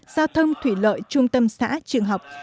giao thông thủy lợi trung tâm xã trường học